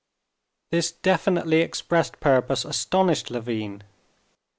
This definitely expressed purpose astonished Levin.